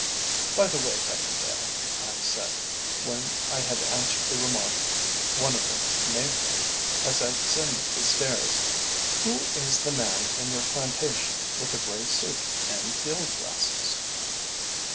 "By the way, Beckingdale," I said, when I had answered the remark one of them made to me as I descended the stairs, "who is the man in your plantation with the grey suit and field glasses."